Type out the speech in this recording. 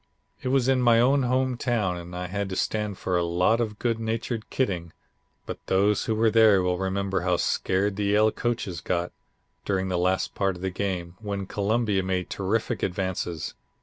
It was in my own home town, and I had to stand for a lot of good natured kidding, but those who were there will remember how scared the Yale coaches got during the last part of the game, when Columbia made terrific advances.